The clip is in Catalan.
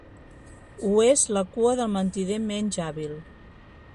Ho és la cua del mentider menys hàbil.